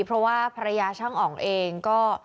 เพราะว่าภรรยาช่างอ๋องเองก็